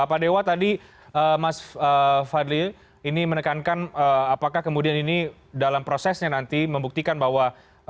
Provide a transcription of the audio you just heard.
pak dewa tadi mas fadli ini menekankan apakah kemudian ini dalam prosesnya nanti membuktikan bahwa